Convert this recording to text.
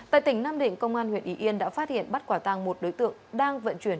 tại tỉnh nam định công an huyện ý yên đã phát hiện bắt quả tàng một đối tượng đang vận chuyển